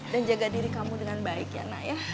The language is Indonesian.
dan jaga diri kamu dengan baik ya nak ya